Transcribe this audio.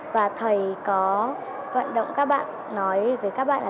và thầy có vận động các bạn nói với các bạn